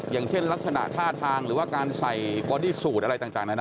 อย่างเช่นลักษณะท่าทางหรือว่าการใส่บอดี้สูตรอะไรต่างนานา